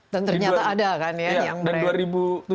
dan ternyata ada kan ya yang mereka